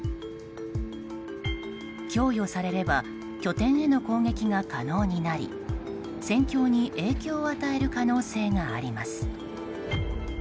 供与されれば拠点への攻撃が可能になり戦況に影響を与える可能性があります。